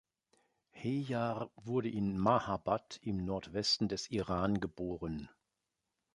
Hejar wurde in Mahabad im Nordwesten des Iran geboren.